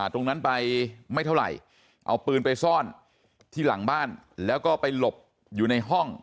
ตรงนั้นไปไม่เท่าไหร่เอาปืนไปซ่อนที่หลังบ้านแล้วก็ไปหลบอยู่ในห้อง